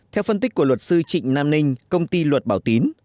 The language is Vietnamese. theo phân tích của luật sư trịnh nam ninh công ty luật bảo tín